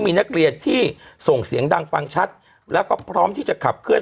มีนักเรียนที่ส่งเสียงดังฟังชัดแล้วก็พร้อมที่จะขับเคลื